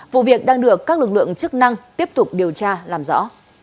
vụ việc đang được các lực lượng chức năng tiếp tục điều tra làm rõ